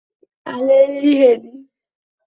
عَلَى الْجِهَادِ